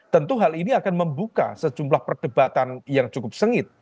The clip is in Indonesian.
tentu hal ini akan membuka sejumlah perdebatan yang cukup sengit